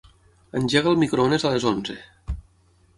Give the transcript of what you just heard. Engega el microones a les onze.